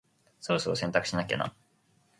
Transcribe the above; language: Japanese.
そろそろ洗濯しなきゃな。